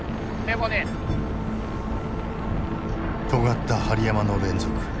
とがった針山の連続。